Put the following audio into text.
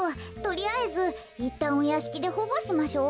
とりあえずいったんおやしきでほごしましょ。